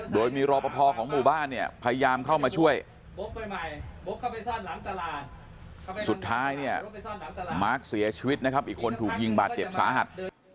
โดยมีรอปภของหมู่บ้านเนี่ยพยายามเข้ามาช่วยสุดท้ายเนี่ยมาร์คเสียชีวิตนะครับอีกคนถูกยิงบาดเจ็บสาหัส